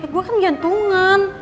gue kan gantungan